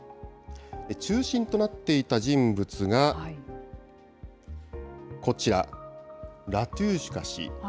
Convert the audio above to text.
中心となっていた人物が、こちら、ラトゥーシュカ氏。